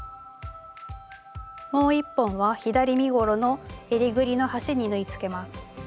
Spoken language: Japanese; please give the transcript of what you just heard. もう１本は左身ごろのえりぐりの端に縫いつけます。